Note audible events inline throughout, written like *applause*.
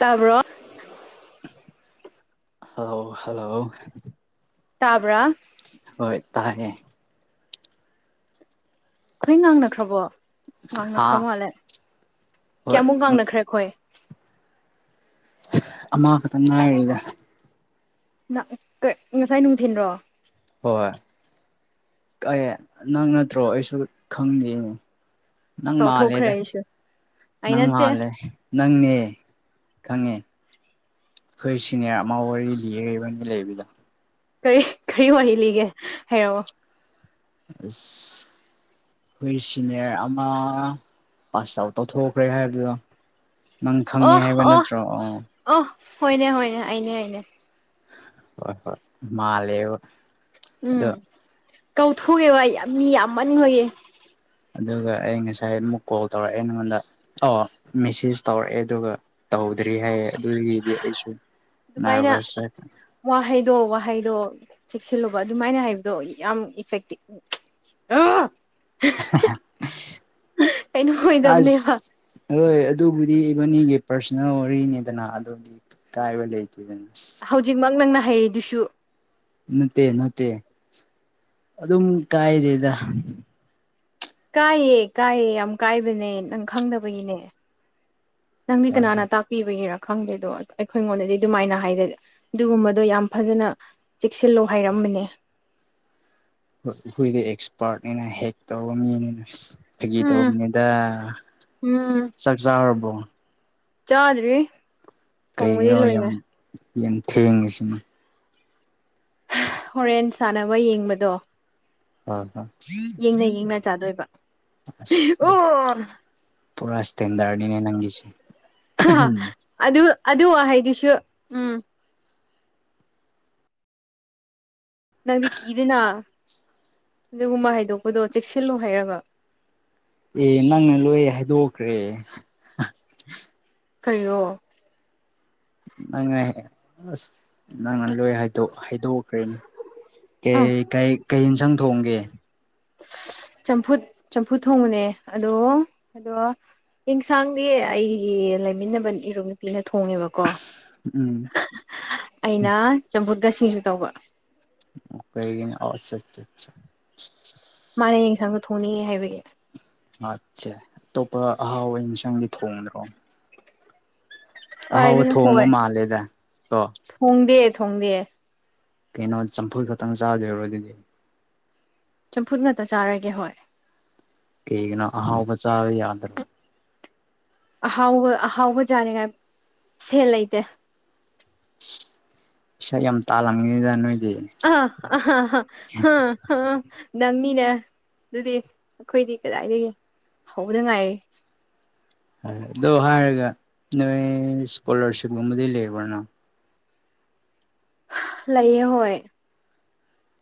ꯇꯥꯕ꯭ꯔꯣ hello hello ꯍ ꯍ ꯍ ꯇꯥꯕ꯭ꯔꯥ ꯍꯣꯏꯠ ꯇꯥꯏꯌꯦ ꯈꯣꯏ ꯉꯥꯡꯅꯈ꯭ꯔꯕꯣ ꯉꯥꯡꯅꯈ꯭ꯔ ꯍꯥ ꯃꯥꯜꯂꯦ ꯍꯣꯏ ꯀꯌꯥꯃꯨꯛ ꯉꯥꯡꯅꯈ꯭ꯔꯦ ꯈꯣꯏ ꯑꯍ ꯑꯃꯈꯛ ꯇ ꯉꯥꯏꯔꯤꯗ ꯅꯥ *unintelligible* ꯉꯁꯥꯏ ꯅꯨꯡꯊꯤꯟꯔꯣ ꯍꯣꯏ ꯇꯥꯌꯦ ꯅꯪ ꯅꯠꯇ꯭ꯔꯣ ꯑꯩꯁꯨ ꯈꯪꯗꯦꯅꯦ ꯅꯪ ꯀꯥꯎꯊꯣꯛꯈ꯭ꯔꯦ ꯃꯥꯜꯂꯦꯗꯥ ꯑꯩꯁꯨ ꯑꯩ ꯅꯪ ꯅꯠꯇꯦ ꯃꯥꯜꯂꯦ ꯅꯪꯅꯦ ꯈꯪꯉꯦ ꯈꯣꯏ ꯁꯤꯅꯤꯌꯥꯔ ꯑꯃ ꯋꯥꯔꯤ ꯂꯤ *unintelligible* ꯂꯩ *unintelligible* ꯀꯔꯤꯍ ꯀꯔꯤ ꯋꯥꯔꯤ ꯂꯤꯒꯦ ꯍꯥꯏꯔꯛꯑꯣ *unintelligible* ꯈꯣꯏ ꯁꯤꯅꯤꯌꯔ ꯑꯃ ꯄꯥꯁ ꯑꯥꯎꯠ ꯇꯧꯊꯣꯛꯈ꯭ꯔꯦ ꯍꯥꯏꯕꯗꯣ ꯅꯪ ꯈꯪꯉꯦ ꯑꯣ ꯍꯥꯏꯕ ꯑꯣ ꯅꯠꯇ꯭ꯔꯣ ꯑ ꯑꯣ ꯍꯣꯏꯅꯦ ꯍꯣꯏꯅꯦ ꯑꯩꯅꯦ ꯑꯩꯅꯦ ꯍ ꯍꯣꯏ ꯍꯣꯏ ꯃꯥꯜꯂꯦꯕ ꯑꯗꯣ ꯎꯝ ꯀꯧꯊꯨꯛꯑꯦꯕꯥ ꯌꯥꯝ ꯃꯤ ꯌꯥꯝꯃꯟꯕꯒꯤ ꯑꯗꯨꯒ ꯑꯩ ꯉꯁꯥꯏ ꯑꯃꯨꯛ ꯀꯣꯜ ꯇꯧꯔꯛꯑꯦ ꯅꯉꯣꯟꯗ ꯑꯣ ꯃꯦꯁꯦꯖ ꯇꯧꯔꯛꯑꯦ ꯑꯗꯨꯒ ꯇꯧ *unintelligible* ꯗꯤ ꯍꯥꯏꯌꯦ ꯑꯗꯨꯒꯤꯗꯤ ꯍꯥꯍ ꯑꯩꯁꯨ ꯑꯗꯨꯃꯥꯏꯅ ꯅꯔꯚꯁ ꯋꯥꯍꯩꯗꯣ ꯋꯥꯍꯩꯗꯣ ꯆꯦꯛꯁꯤꯜꯂꯨꯕ ꯑꯗꯨꯃꯥꯏꯅ ꯍꯥꯏꯕꯗꯣ ꯌꯥꯝ ꯏꯐꯦꯛꯇꯤꯞꯪ ꯑꯥ ꯍꯥ ꯍꯝ ꯀꯩꯅꯣ ꯑꯁ ꯑꯣꯏꯗꯕꯅꯦꯕ ꯍꯣꯏ ꯑꯗꯨꯕꯨꯗꯤ ꯏꯕꯅꯤꯒꯤ ꯄꯥꯔꯁꯣꯅꯦꯜ ꯋꯥꯔꯤꯅꯤꯗꯅ ꯑꯗꯨꯗꯤ ꯀ ꯀꯥꯏꯕ ꯂꯩꯇꯦꯗꯅꯣ ꯍꯧꯖꯤꯛꯃꯛ ꯅꯪꯅ ꯍꯩꯔꯤꯗꯨꯁꯨ ꯅꯠꯇꯦ ꯅꯠꯇꯦ ꯑꯗꯨꯝ ꯀꯥꯏꯗꯦꯗ ꯀꯥꯏꯑ ꯀꯥꯏꯌꯦ ꯌꯥꯝ ꯀꯥꯏꯕꯅꯦ ꯅꯪ ꯈꯪꯗꯕꯒꯤꯅꯦ ꯅꯪꯗꯤ ꯍꯣꯏ ꯍꯣꯏ ꯀꯅꯥꯅ ꯇꯥꯛꯄꯤꯕꯒꯤꯔꯥ ꯈꯪꯗꯦ ꯑꯗꯣ ꯑꯩꯈꯣꯏꯉꯣꯟꯗꯗꯤ ꯑꯗꯨꯃꯥꯏꯅ ꯍꯥꯏꯗꯦ ꯑꯗꯨꯒꯨꯝꯕꯗꯣ ꯌꯥꯝ ꯐꯖꯅ ꯆꯦꯛꯁꯤꯜꯂꯣ ꯍꯥꯏꯔꯝꯃ *unintelligible* ꯍꯣꯏ ꯑꯩꯈꯣꯏꯗꯤ ꯑꯦꯛꯁꯄꯥꯔꯠꯅꯤꯅ ꯍꯦꯛ ꯇꯧꯕ ꯃꯤꯅꯤꯅ ꯐꯩꯒꯤ ꯎꯝ ꯇꯧꯕꯅꯤꯗ ꯎꯝ ꯆꯥꯛ ꯆꯥꯔꯕꯣ ꯆꯥꯗ꯭ꯔꯤ ꯊꯣꯡꯕꯗꯤ ꯀꯩꯒꯤꯅꯣ ꯌꯥꯝ ꯂꯣꯏꯔꯦ ꯌꯥꯝ ꯊꯦꯡꯉꯤꯁꯤꯅ ꯍꯣꯔꯦꯟ ꯁꯥꯟꯅꯕ ꯌꯦꯡꯕꯗꯣ ꯍꯣꯏ ꯍꯣꯏ ꯌꯦꯡꯅ ꯌꯦꯡꯅ ꯆꯥꯗꯣꯏꯕ ꯑꯁ ꯑꯁ ꯑꯣ ꯄꯨꯔꯥ ꯁꯇꯦꯟꯗꯔꯅꯦ ꯅꯪꯒꯤꯁꯦ ꯍꯥ ꯍꯥ ꯑꯗꯨ ꯑꯗꯨ ꯋꯍꯩꯗꯨꯁꯨ ꯎꯝ ꯅꯪꯗꯤ ꯀꯤꯗꯦꯅ ꯑꯗꯨꯒꯨꯝꯕ ꯍꯥꯏꯗꯣꯛꯄꯗꯣ ꯆꯦꯛꯁꯤꯜꯂꯨ ꯍꯥꯏꯌꯒ ꯑꯦ ꯅꯪꯅ ꯂꯣꯏ ꯍꯥꯏꯗꯣꯛꯈ꯭ꯔꯦ ꯀꯩꯅꯣ ꯅꯪꯅ ꯑꯁ ꯅꯪꯅ ꯂꯣꯏ ꯍꯥꯏꯗꯣꯛ ꯍꯥꯏꯗꯣꯛꯈ꯭ꯔꯦꯅꯦ ꯑꯥ ꯀꯩ ꯀꯩ ꯀꯩ ꯏꯟꯁꯥꯡ ꯊꯣꯡꯒꯦ ꯆꯝꯐꯨ ꯆꯝꯐꯨ ꯊꯣꯡꯕꯅꯦ ꯑꯗꯣ ꯑꯗꯣ ꯌꯦꯟꯁꯥꯡꯗꯤ ꯑꯩꯒꯤ ꯂꯩꯃꯤꯟꯅꯕ ꯏꯔꯨꯞ ꯅꯨꯄꯤ ꯅꯠꯇ ꯊꯣꯡꯉꯦꯕꯀꯣ ꯎꯝ ꯑꯩꯅ ꯆꯝꯐꯨꯠꯀ ꯁꯤꯖꯨ ꯇꯧꯕ ꯑꯣ ꯀꯩꯒꯤ ꯁꯥ ꯁꯥ ꯁꯥ ꯃꯥꯅ ꯌꯦꯡꯁꯥꯡꯗꯣ ꯊꯣꯡꯅꯤꯡꯉꯦ ꯍꯥꯏꯕꯒꯤ ꯑꯠꯁꯦ ꯑꯇꯣꯞꯄ ꯑꯍꯥꯎꯕ ꯑꯦꯟꯁꯪꯗꯤ ꯊꯣꯡꯗ꯭ꯔꯣ ꯑꯍꯥꯎꯕ ꯀꯥꯏꯗꯩꯅꯣ ꯊꯣꯡꯕ ꯍꯋꯥꯎ ꯃꯥꯜꯂꯦꯗ ꯀꯣ ꯊꯣꯡꯗꯦ ꯊꯣꯡꯗꯦ ꯀꯩꯅꯣ ꯆꯝꯐꯨꯜ ꯈꯛꯇꯪ ꯆꯥꯗꯣꯏꯔꯣ ꯑꯗꯨꯗꯤ ꯆꯝꯐꯨꯠ ꯉꯇ ꯆꯥꯔꯒꯦ ꯍꯣꯏ ꯀꯩꯒꯤꯅꯣ ꯑꯍꯥꯎ ꯕꯆꯥꯥ ꯌꯥꯗꯔꯣ ꯑꯍꯥꯎꯕ ꯑꯍꯥꯎꯕ ꯌꯥꯥꯅꯤꯡꯉꯥꯏ ꯁꯦꯜ ꯂꯩꯇꯦ ꯏꯁ ꯄꯩꯁꯥ ꯌꯥꯝ ꯇꯔꯝꯃꯤꯗ ꯅꯣꯏꯗꯤ *unintelligible* ꯅꯪꯅꯤꯅꯦ ꯑꯗꯨꯗꯤ ꯑꯩꯈꯣꯏꯗꯤ ꯀꯗꯥꯏꯗꯒꯤ ꯍꯧꯕꯗ ꯉꯥꯏꯔꯤ ꯑꯗꯣ ꯍꯥꯏꯔꯒ ꯅꯣꯢ ꯏꯁꯀꯣꯂꯥꯔꯁꯤꯞ ꯀꯨꯝꯕꯗꯤ ꯂꯩꯕ꯭ꯔ ꯅꯪ ꯂꯩꯥꯏꯌꯦ ꯍꯣꯏ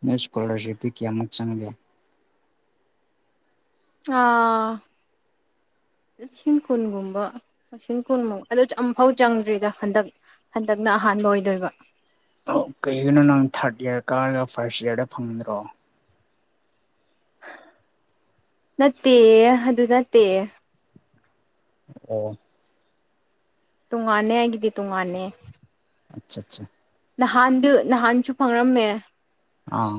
ꯅꯣꯢ ꯏꯁꯀꯣꯂꯔꯁꯤꯞ ꯇꯤ ꯀꯌꯥꯃꯨꯛ ꯆꯪꯒꯦ ꯑꯥ ꯂꯤꯁꯤꯡ ꯀꯨꯟꯒꯨꯝꯕ ꯂꯤꯁꯤꯡ ꯀꯨꯟꯃꯨꯛ ꯑꯗꯨ ꯑꯃꯝꯐꯥꯎ ꯆꯪꯗ꯭ꯔꯤꯗ ꯍꯟꯗꯛ ꯍꯟꯗꯛꯅ ꯑꯍꯥꯟꯕ ꯑꯍꯥꯟꯕ ꯑꯣꯏꯗꯣꯏꯕ ꯑꯣ ꯀꯩꯒꯤꯅꯣ ꯅꯪ ꯊꯥꯔꯠ ꯏꯌꯥꯔ ꯀꯥꯔꯒ ꯐꯥꯔꯁ ꯏꯌꯥꯔꯗ ꯐꯪꯒꯗ꯭ꯔꯣ ꯅꯠꯇꯦ ꯑꯗꯨ ꯅꯠꯇꯦ ꯑꯣ ꯇꯨꯡꯉꯥꯟꯅꯦ ꯑꯩꯒꯤꯗꯤ ꯇꯨꯡꯉꯥꯟꯅꯦ ꯑꯆꯥ ꯑꯆꯥ ꯅꯍꯥꯟꯗꯨ ꯅꯍꯥꯟꯁꯨ ꯐꯪꯔꯝꯃꯦ ꯑꯥ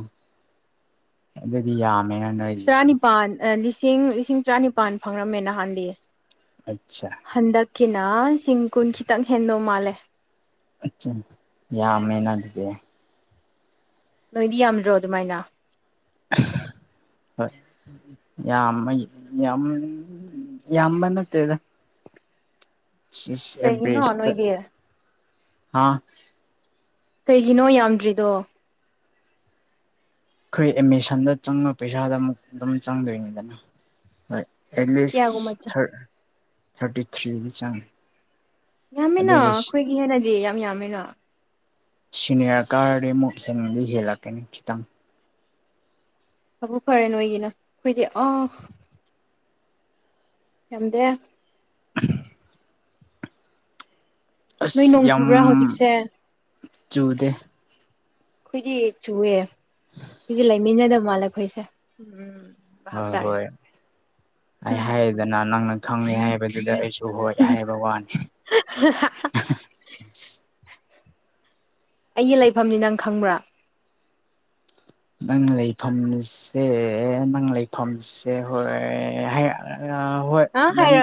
ꯑꯗꯨꯗꯤ ꯌꯥ ꯇꯔꯥꯅꯤꯄꯥꯜ ꯂꯤꯁꯤꯡ ꯂꯤꯁꯤꯡ ꯇꯔꯥꯅꯤꯄꯥꯜ ꯐꯪꯔꯝꯃꯦ ꯅꯍꯥꯟꯗꯤ ꯑꯠꯆꯥ ꯀꯤꯅꯥ ꯂꯤꯁꯤꯡ ꯀꯨꯟ ꯈꯤꯇꯪ ꯍꯦꯟꯗꯧ ꯃꯥꯜꯂꯦ ꯑꯆꯥ ꯌꯥꯝ ꯃꯦꯅ ꯑꯗꯨꯗꯤ ꯅꯣꯏꯗꯤ ꯌꯥꯝꯗ꯭ꯔꯣ ꯑꯗꯨꯃꯥꯏꯅ ꯍꯣꯢ ꯌꯥꯝ ꯌꯥꯝꯕ ꯅꯠꯇꯦꯗ ꯀꯩꯒꯤꯅꯣ ꯁꯤꯑꯦꯕꯦꯔꯦꯁꯇ ꯅꯣꯏꯗꯤ ꯍꯥ ꯀꯩꯒꯤꯅꯣ ꯌꯥꯝꯗ꯭ꯔꯤꯗꯣ ꯑꯩꯈꯣꯏ ꯑꯦꯠꯃꯤꯁꯟꯗ ꯆꯪꯕ ꯄꯩꯁꯥꯗ ꯑꯃꯨꯛ ꯑꯗꯨꯝ ꯆꯪꯗꯣꯏꯅꯤꯗꯅ ꯍꯣꯏ ꯑꯦꯠꯂꯤꯁ ꯀꯌꯥꯒꯨꯝꯕ ꯆ ꯊꯥꯔꯇꯤ ꯊ꯭ꯔꯤꯗꯤ ꯆꯪꯉꯦ ꯌꯥꯝꯃꯤꯅ ꯑꯗꯨꯒꯤ ꯑꯩꯈꯣꯏꯒꯤ ꯍꯦꯟꯅꯗꯤ ꯌꯥꯝ ꯌꯥꯝꯃꯦꯅ ꯁꯤꯅꯦꯔ ꯀꯥꯔꯗꯤ ꯑꯃꯨꯛ ꯍꯦꯟꯗꯤ ꯍꯦꯜꯂꯛꯀꯅꯤ ꯈꯤꯇꯪ ꯊꯕꯛ ꯐꯔꯦ ꯅꯣꯏꯒꯤꯅ ꯑꯩꯈꯣꯏꯗꯤ ꯑ ꯌꯥꯝꯗꯦ ꯅꯣꯏ ꯑꯁ ꯅꯣꯡ ꯌꯥꯝ ꯆꯨꯕ꯭ꯔꯥ ꯍꯧꯖꯤꯛꯁꯦ ꯆꯨꯗꯦ ꯑꯩꯈꯣꯏꯗꯤ ꯆꯨꯑꯦ ꯑꯩꯈꯣꯢꯖꯦ ꯂꯩꯃꯤꯟꯅꯗꯕ ꯃꯥꯜꯂꯦ ꯑꯩꯈꯣꯏꯁꯦ ꯎꯝ ꯑ ꯚꯥꯞ ꯇꯥꯔꯦ ꯍꯣꯏ ꯑꯩ ꯎꯝ ꯍꯥꯏꯗꯅ ꯅꯪꯅ ꯈꯪꯅꯩ ꯍꯥꯏꯕꯗꯨꯗ ꯑꯩ ꯁꯨ ꯍꯣꯏ ꯍꯥꯏꯕꯋꯥꯅꯦ ꯑꯩꯒꯤ ꯂꯩꯐꯝꯗꯤ ꯅꯪ ꯈꯪꯕ꯭ꯔꯥ ꯅꯪ ꯂꯩꯐꯝꯁꯦ ꯅꯪ ꯂꯩꯐꯝꯁꯦ ꯍꯣꯏ ꯍꯥꯏ ꯑ ꯍꯣꯏ ꯅꯪ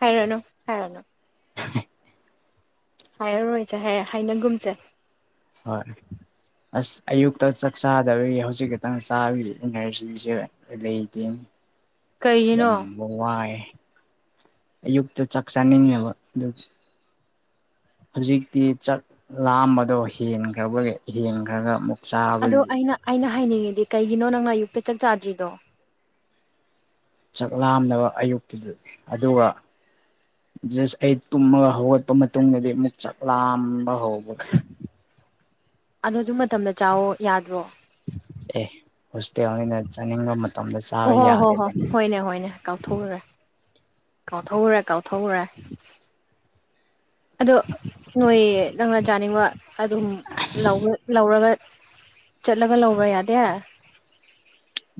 ꯍꯥꯢꯔꯅꯨ ꯍꯥꯏꯔꯅꯨ *inaudible* ꯍꯥꯏꯔꯔꯣꯏꯁꯦ ꯍꯥꯏ ꯍꯥꯏꯅꯒꯨꯝꯁꯦ ꯍꯣꯏ ꯑꯁ ꯑꯌꯨꯛꯇ ꯆꯥꯛ ꯆꯥꯗꯕꯒꯤ ꯍꯧꯖꯤꯛ ꯈꯛꯇꯪ ꯆꯥꯕꯒꯤ ꯏꯅꯔꯖꯤꯁꯦ ꯂꯩꯇꯦꯅ ꯌꯥꯝ ꯀꯩꯒꯤꯅꯣ ꯋꯥꯥꯏ ꯑꯌꯨꯛꯇ ꯆꯥꯛ ꯆꯥꯅꯤꯡꯉꯕ ꯑꯗꯨꯒꯤ ꯍꯧꯖꯤꯛꯇꯤ ꯆꯥꯛ ꯂꯥꯝꯕꯗꯣ ꯍꯦꯟꯈ꯭ꯔꯕꯒꯤ ꯍꯦꯟꯈ꯭ꯔꯒ ꯑꯃꯨꯛ ꯑꯗꯣ ꯆꯥꯕꯒꯤ ꯑꯩꯅ ꯑꯩꯅ ꯍꯥꯏꯅꯤꯡꯉꯤꯗꯤ ꯀꯩꯒꯤꯅꯣ ꯅꯪꯅ ꯑꯌꯨꯛꯇ ꯆꯥꯛ ꯆꯥꯗ꯭ꯔꯤꯗꯣ ꯆꯥꯛꯂꯥꯝꯗꯕ ꯑꯌꯨꯛꯇꯨꯗ ꯑꯗꯨꯒ ꯖꯁ ꯑꯩ ꯇꯨꯝꯃꯒ ꯍꯧꯒꯠꯄ ꯃꯇꯨꯡꯗꯗꯤ ꯑꯃꯨꯛ ꯆꯥꯛ ꯂꯥꯝꯕ ꯍꯧꯕ ꯑꯗꯣ ꯑꯗꯨ ꯃꯇꯝꯗ ꯆꯥꯎꯋꯣ ꯌꯥꯗ꯭ꯔꯣ ꯑꯦ ꯍꯣꯁꯇꯦꯜꯅꯤꯅ ꯆꯥꯅꯤꯡꯕ ꯃ ꯍ ꯍꯣ ꯍꯣ ꯍꯣꯢꯅꯦ ꯍꯣꯢꯅꯦ ꯀꯥꯎꯊꯣꯛꯎꯔꯦ ꯀꯥꯎꯊꯣꯛꯎꯔꯦ ꯀꯥꯎꯊꯣꯛꯎꯔꯦ ꯑꯗꯣ ꯅꯣꯏ ꯅꯪꯅ ꯆꯥꯅꯤꯡꯕ ꯑꯗꯨꯝ ꯂꯧ ꯂꯧꯔꯒ ꯆꯠꯂꯒ ꯂꯧꯕ ꯌꯥꯗꯦ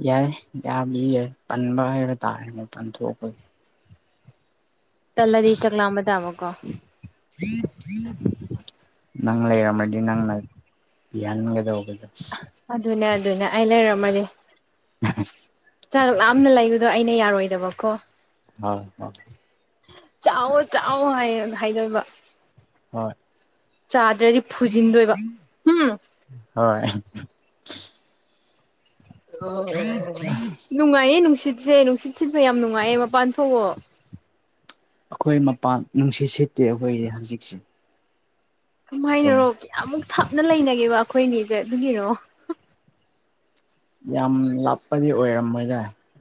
ꯌꯥꯏ ꯌꯥꯕꯗꯤ ꯌꯥꯢ ꯇꯟꯕ ꯍꯥꯢꯕ ꯇꯥꯔꯦ ꯃꯄꯥꯟ ꯊꯣꯛꯄꯒꯤ ꯇꯜꯂꯗꯤ ꯆꯥꯛ ꯂꯥꯝꯕ ꯇꯥꯕ ꯀꯣ ꯅꯪ ꯂꯩꯔꯝꯃꯗꯤ ꯅꯪꯅ ꯊꯤꯍꯟꯒꯗꯧꯕꯅꯤ ꯑꯗꯨꯅꯦ ꯑꯗꯨꯅꯦ ꯑꯩ ꯂꯩꯔꯝꯃꯗꯤ ꯆꯥꯛ ꯂꯥꯝꯅ ꯂꯩꯕꯗꯣ ꯑꯩꯅ ꯌꯥꯔꯣꯏꯗꯕꯀꯣ ꯍꯣꯏꯍꯣ ꯆꯥꯎꯋꯣ ꯆꯥꯎꯋꯣ ꯍꯥꯏ ꯍꯥꯏꯗꯣꯏꯕ ꯍꯣꯏ ꯆꯥꯗ꯭ꯔꯗꯤ ꯐꯨꯖꯤꯟꯗꯣꯏꯕ ꯍꯝ ꯍꯣꯏ *unintelligible* ꯁꯦ ꯅꯨꯡꯁꯤꯠ ꯁꯤꯠꯄꯩ ꯌꯥꯝ ꯅꯨꯡꯉꯥꯏꯌꯦ ꯃꯄꯥꯟ ꯊꯣꯛꯑꯣ ꯑꯈꯣꯏ ꯃꯄꯥꯟ ꯅꯨꯡꯁꯤꯠ ꯁꯤꯠꯇꯦ ꯑꯈꯣꯏꯗꯤ ꯍꯧꯖꯤꯛꯁꯦ ꯑꯗꯨꯝ ꯀꯃꯥꯏꯅꯔꯣ ꯀꯌꯥꯃꯨꯛ ꯊꯥꯞꯅ ꯂꯩꯅꯒꯦꯕ ꯑꯈꯣꯏꯅꯤꯖꯦ ꯑꯗꯨꯒꯤꯔꯣ ꯌꯥꯝ ꯂꯥꯞꯄꯗꯤ ꯑꯣꯏꯔꯝꯃꯣꯏꯗ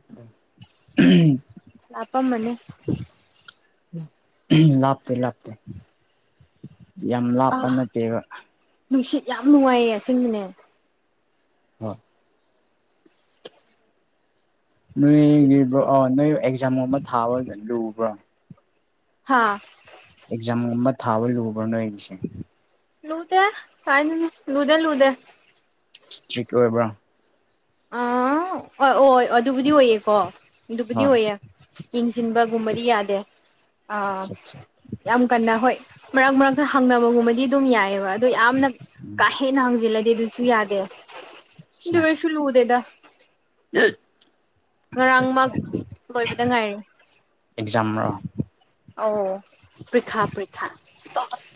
ꯑꯗꯨꯝ *unintelligible* ꯂꯥꯞꯄꯝꯃꯅꯤ ꯎꯍꯝ ꯂꯥꯞꯇꯦ ꯂꯥꯞ ꯇꯦ ꯌꯥꯝ ꯑ ꯂꯥꯞꯄ ꯅꯠꯇꯦꯕ ꯅꯨꯡꯁꯤꯠ ꯌꯥꯝ ꯅꯨꯡꯉꯥꯏꯌꯦ ꯑꯁꯦꯡꯕꯅꯦ ꯍꯣꯏ ꯅꯣꯏꯒꯤꯕꯣ ꯑ ꯅꯣꯏ ꯑꯦꯛꯖꯥꯝ ꯑꯃ ꯊꯥꯕ ꯂꯨꯕ꯭ꯔꯣ ꯍꯥꯥ ꯑꯦꯛꯖꯥꯝꯒꯨꯝꯕ ꯊꯥꯕ ꯂꯨꯕ꯭ꯔꯣ ꯅꯣꯢꯒꯤꯁꯦ ꯂꯨꯗꯦ ꯀꯥꯏꯗꯩꯅꯣ ꯂꯨꯗꯦ ꯂꯨꯗꯦ ꯁꯇ꯭ꯔꯤꯛ ꯑꯣꯏꯕ꯭ꯔꯥ ꯑꯥ ꯑꯣꯢ ꯑꯣꯢ ꯑꯗꯨꯕꯨꯗꯤ ꯑꯣꯏꯌꯦꯀꯣ ꯑꯗꯨꯕꯨꯗꯤ ꯍꯣꯏ ꯑꯣꯏꯌꯦ ꯌꯦꯡꯁꯤꯟꯕꯒꯨꯝꯕꯗꯤ ꯌꯥꯗꯦ ꯑꯥ ꯑꯠꯆꯥ ꯑꯠꯆꯥ ꯌꯥꯝ ꯀꯟꯅ ꯍꯣꯏ ꯃꯔꯛ ꯃꯔꯛꯇ ꯍꯪꯅꯕꯒꯨꯝꯕꯗꯤ ꯑꯗꯨꯝ ꯌꯥꯏꯌꯦꯕ ꯑꯗꯣ ꯌꯥꯝꯅ ꯎꯝ ꯀꯥ ꯍꯦꯟꯅ ꯍꯪꯖꯤꯜꯂ ꯗꯤ ꯑꯗꯨꯨꯁꯨ ꯌꯥꯗꯦ ꯑꯆ꯭ꯌꯥ ꯗꯦꯗ *unintelligible* ꯉꯔꯥꯡꯃꯛ ꯆꯠꯆꯥ ꯂꯣꯏꯕꯗ ꯉꯥꯏꯔꯤ ꯑꯦꯛꯖꯥꯝꯔꯣ ꯑꯣ ꯄ꯭ꯔꯤꯈꯥ ꯄ꯭ꯔꯤꯈꯥ ꯁꯣꯁ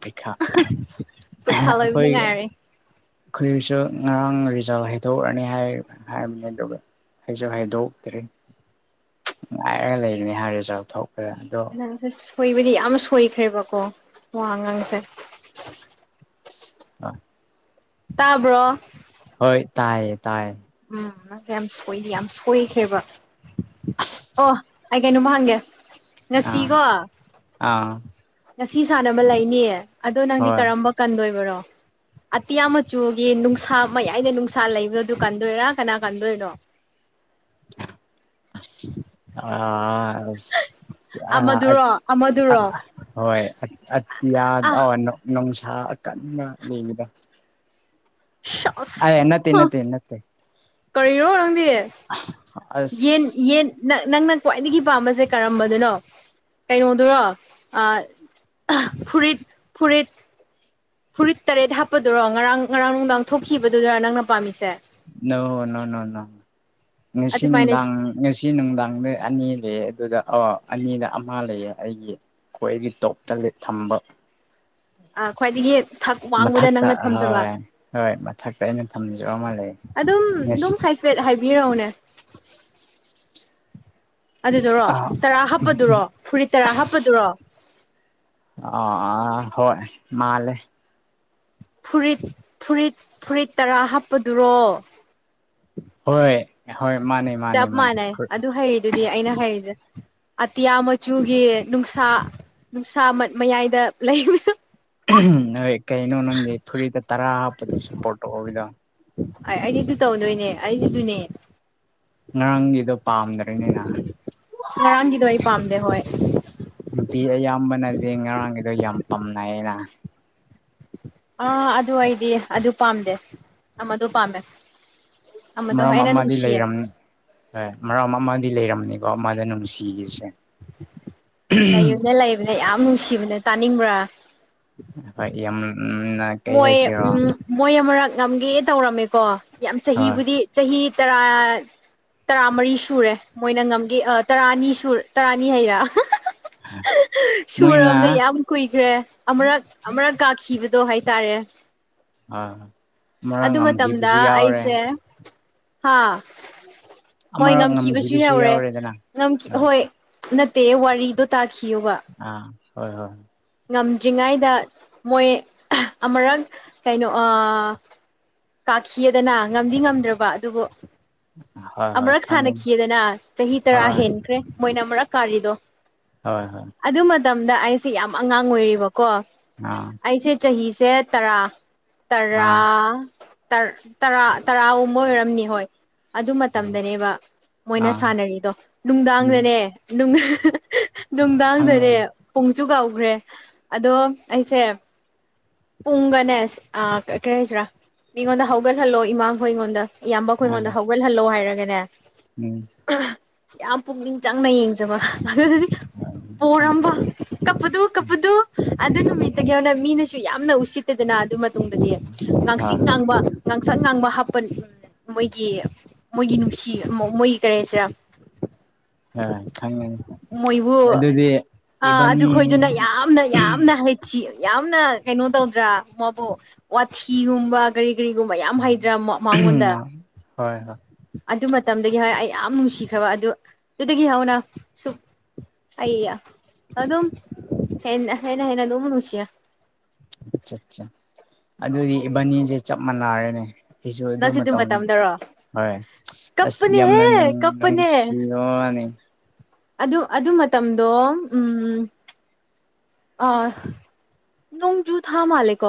ꯄ꯭ꯔꯤꯈꯥ ꯄ꯭ꯔꯤꯈꯥ *unintelligible* ꯂꯣꯏꯕꯗ ꯑꯈꯣꯏ ꯉꯥꯏꯔꯦ ꯑꯈꯣꯏꯒꯤꯁꯨ ꯉꯔꯥꯡ ꯔꯤꯖꯜ ꯍꯥꯏꯗꯣꯛꯔꯅꯤ ꯍꯥꯏ ꯍꯥꯢꯕꯅꯦ ꯑꯗꯨꯒ ꯍꯩꯁꯨ ꯍꯩꯗꯣꯛꯇ꯭ꯔꯦ ꯉꯥꯏꯔꯒ ꯂꯩꯕꯅꯤ ꯍꯥꯏꯔ ꯔꯤꯖꯜꯠꯇꯣ ꯔꯦ ꯑꯗꯣ ꯍꯣꯏꯕꯗꯤ ꯌꯥꯝ ꯁꯣꯏꯈ꯭ꯔꯦꯕꯀꯣ ꯋꯥꯉꯥꯡꯁꯦ *unintelligible* ꯇꯥꯕ꯭ꯔꯣ ꯍꯣꯏ ꯇꯥꯏꯌꯦ ꯇꯥꯏꯌꯦ ꯎꯝ ꯅꯪꯁꯦ ꯌꯥꯝ ꯁꯣꯏꯗꯤ ꯌꯥꯝ ꯁꯣꯏꯈ꯭ꯔꯦꯕ ꯑꯣ ꯑꯩ ꯀꯩꯅꯣꯝ ꯍꯪꯒꯦ ꯑꯥ ꯉꯁꯤꯀꯣ ꯑꯥ ꯉꯁꯤ ꯁꯥꯟꯅꯕ ꯂꯩꯅꯤꯌꯦ ꯑꯗꯣ ꯅꯪꯗꯤ ꯍꯣꯏ ꯀꯔꯝꯕ ꯀꯟꯗꯣꯏꯕꯔꯣ ꯑꯇꯤꯌꯥ ꯃꯆꯨꯒꯤ ꯅꯨꯡꯁꯥ ꯃꯌꯥꯏꯗ ꯅꯨꯡꯁꯥ ꯂꯩꯕꯗꯨ ꯑꯗꯨ ꯀꯟꯗꯣꯏꯔꯥ ꯀꯅꯥ ꯀꯟꯗꯣꯏꯅꯣ *inaudible* *inaudible* ꯎꯝ *inaudible* ꯑꯥ ꯑꯁ ꯑꯥ ꯑꯠ ꯑꯃꯗꯨꯔꯣ ꯑꯃꯗꯨꯔꯣ ꯑꯥ ꯍꯣꯏ ꯑꯇꯤꯌꯥ ꯑꯥ ꯅꯣꯡ ꯅꯣꯡꯁ ꯍꯥ ꯀꯟꯅ ꯌꯦꯉꯕꯗꯣ ꯁꯣꯁ ꯍꯝ ꯅꯠꯇꯦ ꯅꯠꯇꯦ ꯀꯔꯤꯔꯣ ꯅꯪꯗꯤ ꯑꯁ ꯌꯦꯟ ꯌꯦꯟ ꯅꯠ ꯅꯪꯅ ꯈ꯭ꯋꯥꯏꯗꯒꯤ ꯄꯥꯝꯕꯁꯦ ꯀꯔꯝꯕꯗꯨꯅꯣ ꯀꯩꯅꯣꯗꯨꯔꯣ ꯑꯥ ꯐꯨꯔꯤꯠ ꯐꯨꯔꯤꯠ ꯐꯨꯔꯤꯠ ꯇꯔꯦꯠ ꯍꯥꯞꯄꯗꯨꯔꯣ ꯉꯔꯥꯡ ꯉꯔꯥꯡ ꯅꯨꯡꯗꯥꯡ ꯊꯣꯛꯈꯤꯕꯗꯨꯗꯔ ꯅꯪꯅ ꯄꯥꯝꯃꯤꯁꯦ ꯅꯣ ꯅꯣ ꯅꯣ ꯅꯣ ꯉꯁꯤ ꯑꯗꯨꯃꯥꯏꯅ ꯅꯨꯡꯗꯥꯡ ꯉꯁꯤ ꯅꯨꯡꯗꯥꯡꯅ ꯑꯅꯤꯂꯩꯌꯦ ꯑꯗꯨꯗ ꯑꯣ ꯑꯅꯤꯗ ꯑꯃ ꯂꯩꯌꯦ ꯑꯩꯒꯤ ꯑꯩꯈꯣꯏꯒꯤ ꯇꯣꯞꯇ ꯊꯝꯕ ꯑ ꯈ꯭ꯋꯥꯏꯗꯒꯤ ꯊꯛ ꯋꯥꯡꯕꯗ ꯃꯊꯛꯇ ꯅꯪꯅ ꯍꯣꯏ ꯊꯝꯖꯕ ꯍꯣꯏ ꯃꯊꯛꯇ ꯑꯩꯅ ꯊꯝꯖꯕ ꯑꯃ ꯂꯩ ꯑꯗꯨꯝ ꯉꯁꯤ ꯑꯗꯨꯝ ꯍꯥꯏꯐꯦꯠ ꯍꯥꯏꯕꯤꯔꯛꯎꯅꯦ ꯑꯗꯨꯗꯨꯔꯣ ꯑꯥ ꯇꯔꯥ ꯍꯥꯞꯄꯗꯨꯔꯣ ꯐꯨꯔꯤꯠ ꯇꯔꯥ ꯍꯥꯞꯄꯗꯨꯔꯣ ꯑꯥ ꯑꯥ ꯍꯣꯏ ꯃꯥꯂꯦ ꯐꯨꯔꯤꯠ ꯐꯨꯔꯤꯠ ꯐꯨꯔꯤꯠ ꯇꯔꯥ ꯍꯥꯞꯄꯗꯨꯔꯣ ꯍꯣꯏ ꯍꯣꯏ ꯃꯥꯅꯦ ꯃꯥꯅꯦ ꯆꯞ ꯃꯥꯅꯦ ꯃꯥꯟꯅꯩ ꯑꯗꯨ ꯍꯩꯔꯤꯗꯨꯗꯤ ꯑꯩꯅ ꯍꯥꯏꯔꯤꯗꯣ ꯑꯇꯤꯌꯥ ꯃꯆꯨꯒꯤ ꯅꯨꯡꯁꯥ ꯅꯨꯡꯁꯥ ꯃꯠ ꯃꯌꯥꯏꯗ ꯂꯩꯕꯗꯨ ꯑꯍꯝ ꯅꯣꯏ ꯀꯩꯅꯣ ꯅꯪꯗꯤ ꯐꯨꯔꯤꯗ ꯇꯔꯥ ꯍꯥꯞꯄꯗꯣ ꯁꯞꯄꯣꯔꯠ ꯇꯧꯍꯧꯔꯤꯗꯣ ꯍꯣꯏ ꯑꯩ ꯑꯩꯗꯤ ꯑꯗꯨ ꯇꯧꯗꯣꯏꯅꯦ ꯑꯩꯗꯤꯗꯨꯅꯦ ꯉꯔꯥꯡꯒꯤꯗꯣ ꯄꯥꯝꯗ꯭ꯔꯤꯅꯤꯅ ꯉꯔꯥꯡꯒꯤꯗ ꯑꯩ ꯄꯥꯝꯗꯦ ꯍꯣꯏ ꯕꯤ ꯑꯌꯥꯝꯕꯅꯗꯤ ꯉꯔꯥꯡꯒꯤꯗꯣ ꯌꯥꯝ ꯄꯥꯝꯅꯩ ꯅ ꯑꯥ ꯑꯗꯨ ꯑꯩꯗꯤ ꯑꯗꯨ ꯄꯥꯝꯗꯦ ꯑꯃꯗꯣ ꯄꯥꯝꯃꯦ ꯑꯃꯗꯣ ꯃꯔꯝ ꯑꯩꯅ ꯑꯃꯗꯤ ꯅꯨꯡꯁꯤꯌꯦ ꯂꯩꯔꯝꯅꯤ ꯍꯣꯏ ꯃꯔꯝ ꯑꯃꯗꯤ ꯂꯩꯔꯝ ꯀꯣ ꯃꯥꯅ ꯅꯨꯡꯁꯤꯔꯤꯁꯦ ꯂꯩꯕꯅꯦ ꯂꯩꯕꯅꯦ ꯌꯥꯝ ꯅꯨꯡꯁꯤꯕꯅꯦ ꯇꯥꯅꯤꯡꯕ꯭ꯔꯥ ꯍꯣꯢ ꯌꯥꯝ ꯃꯣꯏ ꯎꯝ ꯃꯣꯏ ꯑꯃꯔꯛ ꯉꯝꯒꯦ ꯇꯧꯔꯝꯃꯦꯀꯣ ꯌꯥꯝ ꯍꯣꯏ ꯆꯍꯤꯕꯨꯗꯤ ꯆꯍꯤ ꯇꯔꯥ ꯇꯔꯥꯃꯔꯤ ꯁꯨꯔꯦ ꯃꯣꯏꯅ ꯉꯝꯒꯦ ꯇꯔꯥ ꯑꯅꯤ ꯁꯨ ꯇꯔꯥꯅꯤ ꯍꯥꯢꯔ ꯃꯣꯏꯅ ꯁꯨꯔꯕꯅꯦ ꯌꯥꯝ ꯀꯨꯏꯈ꯭ꯔꯦ ꯑꯃꯔꯛ ꯑꯃꯔꯛ ꯀꯥꯈꯤꯕꯗꯣ ꯍꯥꯏ ꯇꯥꯔꯦ ꯍꯣꯏ ꯑꯃꯔꯛ ꯑꯗꯨ ꯃꯇꯝꯗ ꯉꯝꯈꯤꯕꯁꯨ ꯌꯥꯎꯔꯦ ꯑꯩꯁꯦ ꯍꯥꯥ ꯍꯣꯏ ꯑꯃꯔꯛ ꯉꯝꯈꯤꯕꯁꯨ ꯌꯧꯔꯦ ꯌꯥꯎꯔꯦꯗꯅ ꯉꯝꯈꯤ ꯍꯣꯏ ꯅꯠꯇꯦ ꯋꯥꯔꯤꯗꯣ ꯇꯥꯈꯤꯌꯣꯕ ꯑꯥ ꯍꯣꯏ ꯍꯣꯏ ꯉꯝꯗ꯭ꯔꯤꯉꯥꯢꯗ ꯃꯣꯏ ꯑꯃꯨꯔꯛ ꯀꯩꯅꯣ ꯑꯥ ꯀꯥꯈꯤꯑꯦꯗꯅ ꯉꯝꯗꯤ ꯉꯝꯗ꯭ꯔꯕ ꯑꯗꯨꯕꯨ ꯍꯣꯏ ꯍꯣꯏ ꯑꯃꯨꯔꯛ ꯈꯪꯉꯤ ꯁꯥꯟꯅꯈꯤꯑꯗꯅ ꯆꯍꯤ ꯇꯔꯥ ꯍꯣꯏ ꯍꯦꯟꯈ꯭ꯔꯦ ꯃꯣꯏꯅ ꯑꯃꯨꯔꯛ ꯀꯥꯔꯤꯗꯣ ꯍꯣꯏ ꯍꯣꯏ ꯑꯗꯨ ꯃꯇꯝꯗ ꯑꯩꯁꯦ ꯌꯥꯝ ꯑꯉꯥꯡ ꯑꯣꯏꯔꯤꯕꯀꯣ ꯑꯥ ꯑꯩꯁꯦ ꯆꯍꯤꯁꯦ ꯇꯔꯥ ꯑꯥ ꯇꯔꯔꯥ ꯇꯔ ꯇꯔꯥ ꯇꯔꯥꯒꯨꯝꯕ ꯑꯣꯏꯔꯝꯅꯤ ꯍꯣꯏ ꯑꯗꯨꯃ ꯇꯝꯗꯅꯦꯕ ꯃꯣꯏꯅ ꯑꯥ ꯁꯥꯟꯅꯔꯤꯗꯣ ꯎꯝ ꯅꯨꯡꯗꯥꯡꯗꯅꯦ ꯅꯨꯡ ꯈꯪꯉꯤ ꯅꯨꯡꯗꯥꯡꯗꯅꯦ ꯄꯨꯡꯁꯨ ꯀꯥꯎꯈ꯭ꯔꯦ ꯑꯗꯣ ꯑꯩꯁꯦ ꯄꯨꯡꯒꯅꯦꯁ ꯑ ꯀ ꯀꯔꯤ ꯍꯥꯏꯁꯦꯔꯥ ꯃꯤꯉꯣꯟꯗ ꯍꯧꯒꯠꯍꯜꯂꯣ ꯏꯃꯥꯈꯣꯏꯉꯣꯟꯗ ꯏꯌꯥꯝꯕ ꯑꯥ ꯈꯣꯢꯉꯣꯟꯗ ꯍꯧꯒꯠꯍꯜꯂꯣ ꯍꯥꯏꯔꯒꯅꯦ ꯎꯝ ꯌꯥꯝ ꯄꯨꯛꯅꯤꯡ ꯆꯪꯅ ꯌꯦꯡꯖꯕ ꯑꯗꯨꯗꯨꯗꯤ ꯈꯪꯉꯦ ꯄꯣꯔꯝꯕ ꯀꯞꯄꯗꯨ ꯀꯞꯄꯗꯨ ꯑꯗꯨ ꯅꯨꯃꯤꯠꯇꯒꯤ ꯍꯧꯅ ꯃꯤꯅꯁꯨ ꯌꯥꯝꯅ ꯎꯁꯤꯠꯇꯦꯗꯅ ꯑꯗꯨ ꯃꯇꯨꯡꯗꯗꯤ ꯍꯣꯏ ꯉꯥꯡꯁꯤꯛ ꯉꯥꯡꯕ ꯉꯥꯡꯁ ꯁꯛ ꯉꯥꯡꯕ ꯍꯥꯞꯄ ꯃꯣꯏꯒꯤ ꯃꯣꯏꯒꯤ ꯅꯨꯡꯁꯤ ꯃ ꯃꯣꯏꯒꯤ ꯀꯔꯦ ꯍꯥꯢꯁꯤꯔꯥ ꯑ ꯈꯪꯉꯦ ꯑꯗꯨꯗꯤ ꯑꯥ ꯏꯕꯥꯅꯤ ꯑꯗꯨꯈꯣꯏꯗꯨꯅ ꯌꯥꯝꯅ ꯌꯥꯝꯅ ꯍꯥꯢꯊꯤ ꯌꯥꯝꯅ ꯀꯩꯅꯣ ꯇꯧꯗ꯭ꯔꯥ ꯃꯥꯕꯨ ꯋꯥꯊꯤꯒꯨꯝꯕ ꯀꯔꯤ ꯀ꯭ꯔꯤꯒꯨꯝꯕ ꯌꯥꯝ ꯍꯩꯗ꯭ꯔꯥ ꯃ ꯃꯥꯉꯣꯟꯗ ꯍꯣꯏ ꯍꯣꯏ ꯑꯗꯨ ꯃꯇꯝꯗꯒꯤ ꯍꯣꯢ ꯑꯩ ꯌꯥꯝ ꯅꯨꯡꯁꯤꯈ꯭ꯔꯕ ꯑꯗꯨ ꯑꯗꯨꯗꯒꯤ ꯍꯧꯅ ꯁꯨꯝ ꯑꯩꯌꯥ ꯑꯗꯨꯝ ꯍꯦꯟꯅ ꯍꯦꯟꯅ ꯍꯦꯟꯅ ꯑꯗꯨꯝ ꯅꯨꯡꯁꯤꯌꯥ ꯑꯑꯠꯆꯥ ꯑꯗꯨꯗꯤ ꯢꯕꯥꯅꯤꯖꯦ ꯆꯞ ꯃꯥꯅꯥꯔꯦꯅꯦ ꯁꯤꯁꯨ ꯑꯗꯨ ꯅꯪꯁꯨ ꯃꯇꯝ ꯃꯇꯝꯗꯔꯣ ꯍꯣꯏ ꯑꯁ ꯌꯥꯝꯅ ꯀꯞꯄꯅꯦꯍꯦ ꯅꯨꯡ ꯀꯞꯄꯅꯦ ꯅꯨꯡꯁꯤꯕ ꯋꯥꯅꯦ ꯑꯗꯨ ꯑꯗꯨ ꯃꯇꯝꯗꯣ ꯎꯝ ꯑꯥ ꯅꯣꯡꯖꯨꯊꯥ ꯃꯥꯜꯂꯦꯀꯣ